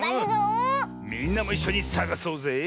みんなもいっしょにさがそうぜ。